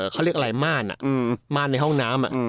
เขาเรียกอะไรม่านม่านในห้องน้ำ